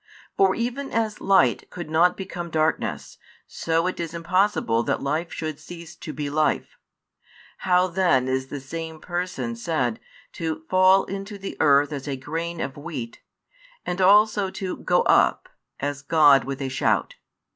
For even as light could not become darkness, so it is impossible that Life should cease to be life. How then is the same Person said to fall into the earth as a grain of wheat, and also to "go up" as "God with a shout?"